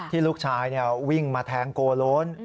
ลูกชายวิ่งมาแทงโกโล้น